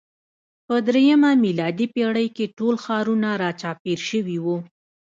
په درېیمه میلادي پېړۍ کې ټول ښارونه راچاپېر شوي وو.